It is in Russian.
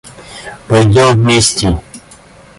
Пойдем вместе.